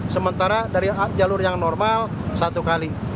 sementara dari jalur yang normal satu kali